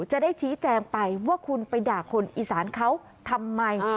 จะได้ชี้แจงไปว่าคุณไปด่าคนอีสานเขาทำไม